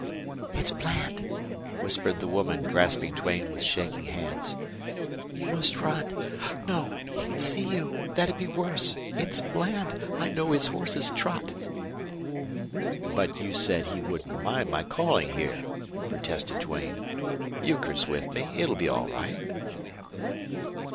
"It's Bland!" whispered the woman, grasping Duane with shaking hands. "You must run! No, he'd see you. That 'd be worse. It's Bland! I know his horse's trot." "But you said he wouldn't mind my calling here," protested Duane. "Euchre's with me. It'll be all right."